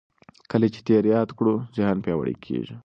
کله چې تېر یاد کړو ذهن پیاوړی کېږي.